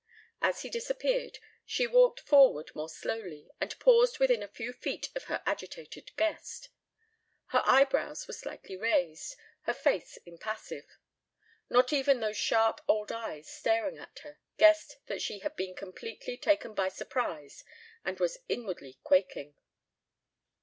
As he disappeared she walked forward more slowly and paused within a few feet of her agitated guest. Her eyebrows were slightly raised, her face impassive. Not even those sharp old eyes staring at her guessed that she had been completely taken by surprise and was inwardly quaking.